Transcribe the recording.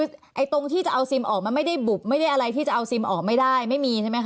คือไอ้ตรงที่จะเอาซิมออกมันไม่ได้บุบไม่ได้อะไรที่จะเอาซิมออกไม่ได้ไม่มีใช่ไหมค